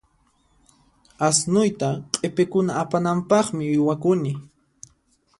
Asnuyta q'ipikuna apananpaqmi uywakuni.